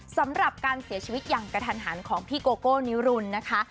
สำหรับการเสียชีวิตอย่างกระทันหันของพี่โกโก้นิรุนนะคะ